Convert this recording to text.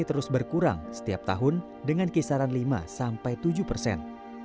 terus berkurang setiap tahun dengan kisaran lima sampai tujuh persen